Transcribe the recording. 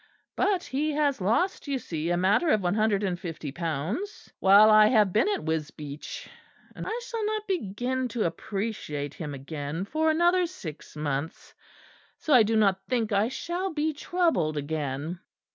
But he has lost, you see, a matter of one hundred and fifty pounds while I have been at Wisbeach; and I shall not begin to appreciate him again for another six months; so I do not think I shall be troubled again."